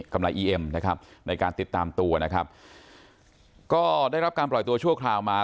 กำลังอีเอ็มนะครับในการติดตามตัวนะครับก็ได้รับการปล่อยตัวชั่วคราวมา